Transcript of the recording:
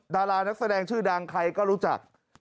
ดารานักแสดงชื่อดังใครก็รู้จัก